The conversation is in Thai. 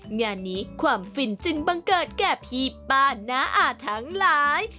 งานนี้ความฟินจึงบังเกิดแก่พี่ป้าน้าอาทั้งหลาย